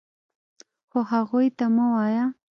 خو هغوی ته مه وایه .